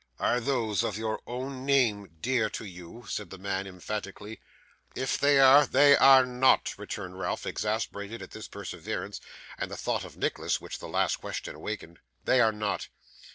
'Are those of your own name dear to you?' said the man emphatically. 'If they are ' 'They are not,' returned Ralph, exasperated at this perseverance, and the thought of Nicholas, which the last question awakened. 'They are not.